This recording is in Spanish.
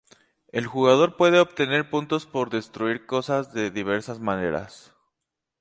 El jugador puede obtener puntos por destruir cosas de diversas maneras.